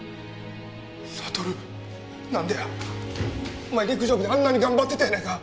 お前陸上部であんなに頑張ってたやないか！